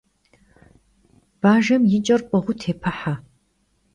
Bajjem yi ç'er p'ığıu têpıhe.